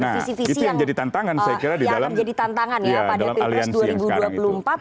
nah itu yang jadi tantangan saya kira di dalam aliansi yang sekarang itu